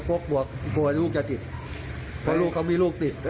กลัวกลัวลูกจะติดเพราะลูกเขามีลูกติด